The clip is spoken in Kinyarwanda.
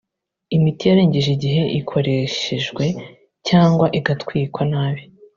Imiti yarengeje igihe ikoreshejwe cyangwa igatwikwa nabi